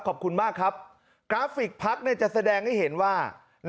ขอบคุณมากครับกราฟิกพักจะแสดงให้เห็นว่า